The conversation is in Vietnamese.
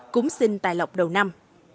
cúng sinh tài lọc đầu năm